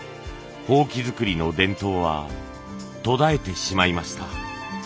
箒作りの伝統は途絶えてしまいました。